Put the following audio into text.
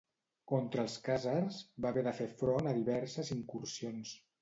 Contra els khàzars, va haver de fer front a diverses incursions.